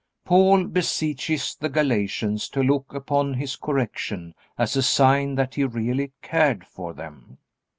Paul beseeches the Galatians to look upon his correction as a sign that he really cared for them.